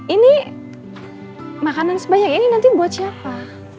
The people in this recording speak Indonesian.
ini makanan sebanyak ini nanti buat siapa